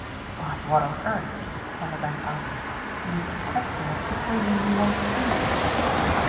"Why what on earth," Vanderbank asked, "do you suspect him of supposing you want to do?"